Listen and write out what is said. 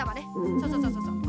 そうそうそうそうそう。